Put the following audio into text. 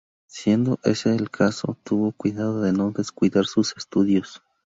Siendo ese el caso, tuvo cuidado de no descuidar sus estudios.